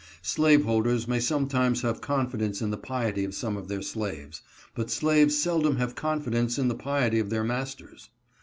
Slaveholders may sometimes have confidence in the piety of some of their slaves, but slaves seldom have confidence in the piety of their masters.